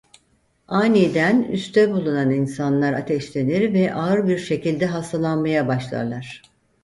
Aniden üste bulunan insanlar ateşlenir ve ağır bir şekilde hastalanmaya başlarlar.